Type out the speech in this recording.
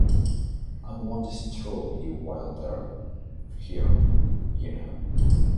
I won’t disturb you while they’re here, you know.